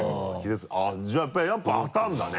じゃあやっぱり当たるんだね。